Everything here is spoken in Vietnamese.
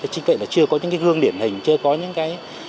chính vậy là chưa có những cái gương điển hình chưa có những cái